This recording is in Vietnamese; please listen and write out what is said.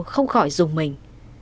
không khỏi dùng mình